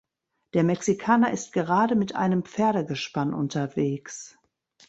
Der Mexikaner ist gerade mit einem Pferdegespann unterwegs.